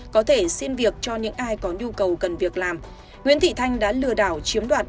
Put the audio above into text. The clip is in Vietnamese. có thể xin việc cho những ai có nhu cầu cần việc làm nguyễn thị thanh đã lừa đảo chiếm đoạt